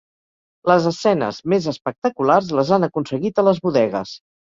Les escenes més espectaculars les han aconseguit a les bodegues.